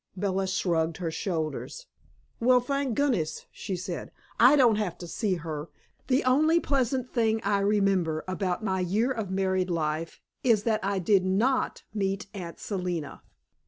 Bella shrugged her shoulders. "Well, thank goodness," she said, "I don't have to see her. The only pleasant thing I remember about my year of married life is that I did NOT meet Aunt Selina."